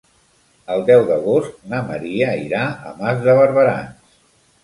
El deu d'agost na Maria irà a Mas de Barberans.